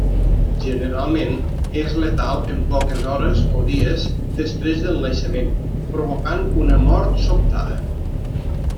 Generalment, és letal en poques hores o dies després del naixement, provocant una mort sobtada.